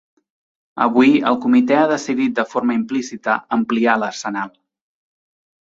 Avui, el comitè ha decidit de forma implícita ampliar l'arsenal.